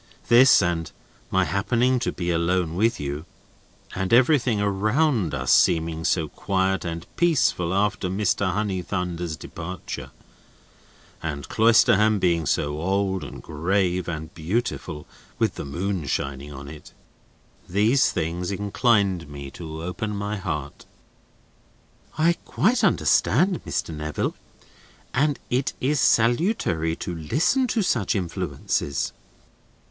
This—and my happening to be alone with you—and everything around us seeming so quiet and peaceful after Mr. Honeythunder's departure—and Cloisterham being so old and grave and beautiful, with the moon shining on it—these things inclined me to open my heart." "I quite understand, Mr. Neville. And it is salutary to listen to such influences."